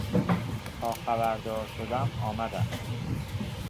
تا خبردار شدم آمدم.